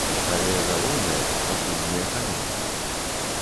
Але галоўнае, пакуль не эканоміка.